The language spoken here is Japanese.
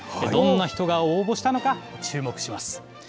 どんな人が応募したのか、チューモクします。